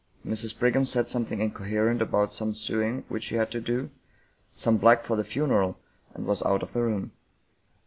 Mrs. Brigham said something incoherent about some sewing which she had to do, some black for the funeral, and was out of the room.